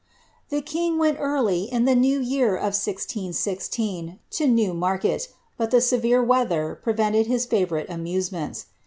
The king went early in the new year of 1616 to Newmarket, but the severe weather prevented his favourite amusements.